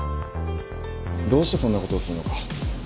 どうしてそんなことをするのか。